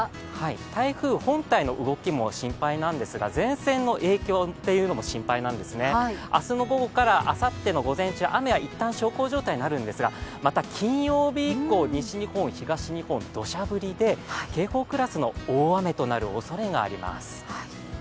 台風本体の動きも心配なんですが、前線の影響も心配なんですね、明日の午後からあさっての午前中、雨は一旦小康状態になるんですが、また金曜日以降、西日本、東日本、どしゃ降りで警報クラスの大雨となるおそれがあります。